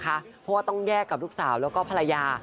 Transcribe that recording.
เพราะว่าต้องแยกกับลูกสาวแล้วก็ภรรยา